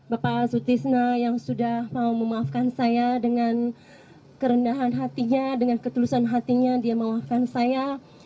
bapak sutisna yang sudah mau memaafkan saya dengan kerendahan hatinya dengan ketulusan hatinya dia memaafkan saya